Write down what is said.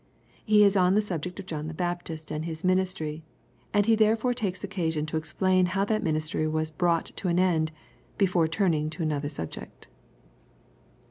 He is on the subject of John the Baptist and his ministry, and he therefore takes occasion to explain how that ministry was brough*; to an end, before turning to an other subject.